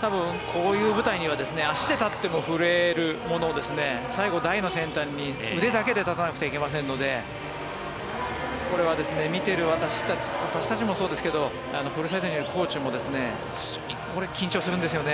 多分、こういう舞台では足で立っても震えるものを最後は台の先端に腕だけで立たなくてはいけませんのでこれは見ている私たちもそうですけどプールサイドにいるコーチも緊張するんですよね。